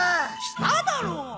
しただろ。